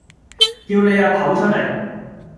叫你阿頭出嚟